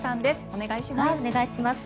お願いします。